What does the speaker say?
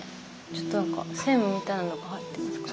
ちょっと何か線みたいなのが入ってますが。